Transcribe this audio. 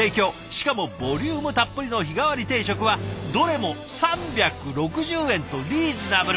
しかもボリュームたっぷりの日替わり定食はどれも３６０円とリーズナブル。